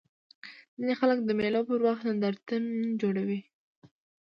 ځيني خلک د مېلو پر وخت نندارتونونه جوړوي.